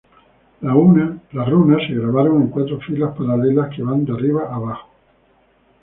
Las runas se grabaron en cuatro filas paralelas que van de arriba a abajo.